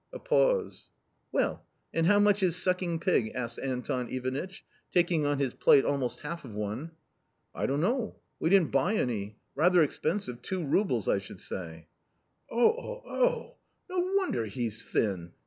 A pause. "Well, and how much is sucking pig?" asked Anton Ivanitch, taking on his plate almost half of one. " I don't know ; we didn't buy any ; rather expensive, two roubles, I should say." " Oh, oh, oh ! no wonder he's thin